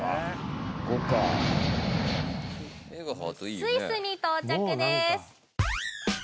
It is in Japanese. スイスに到着です